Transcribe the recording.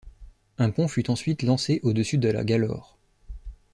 Un pont fut ensuite lancé au-dessus de la Galaure.